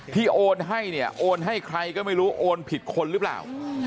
โอนให้เนี่ยโอนให้ใครก็ไม่รู้โอนผิดคนหรือเปล่า